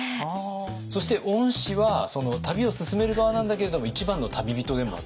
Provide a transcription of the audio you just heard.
そして御師は旅を勧める側なんだけれども一番の旅人でもあった。